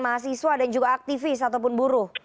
mahasiswa dan juga aktivis ataupun buruh